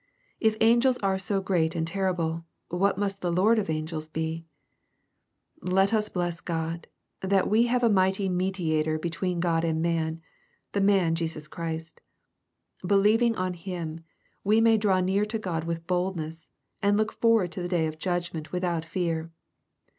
If angels are so great and terrible, what must the Lord of angels be ? Let us bless Q od, that we have a mighty Mediator between God and man, the man Christ Jesus. Believing on Him, we may draw near to God with boldness, and look forward to the day of judgment without fear.